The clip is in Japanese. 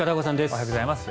おはようございます。